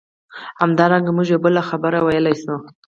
همدارنګه موږ یوه بله خبره ویلای شو.